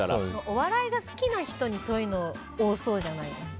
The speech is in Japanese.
お笑いが好きな人にそういうの多そうじゃないですか。